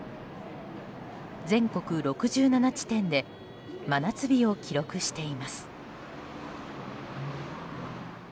全国６７地点で真夏日を記録しています。